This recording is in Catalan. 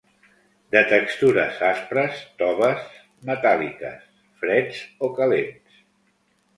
De textures aspres, toves, metàl·liques..., freds o calents.